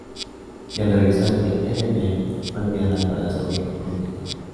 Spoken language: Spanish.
Y, al regresar de Edirne, fue enviada al Palacio Viejo por un tiempo.